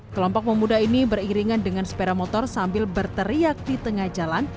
kelompok pemuda ini beriringan dengan sepeda motor sambil berteriak di tengah jalan